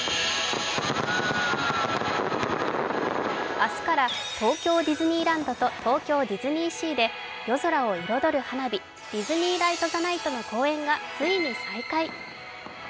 明日から東京ディズニーランドと東京ディズニーシーで夜空を彩る花火、ディズニー・ライト・ザ・ナイトの公演がついに再開。